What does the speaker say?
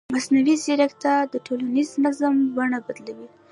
مصنوعي ځیرکتیا د ټولنیز نظم بڼه بدلوي.